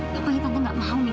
pokoknya tante gak mau mila